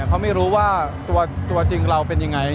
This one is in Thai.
เขาไม่รู้ว่าตัวจริงเราเป็นยังไง